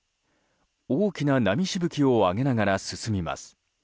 大きな波しぶきをあげながら進みます。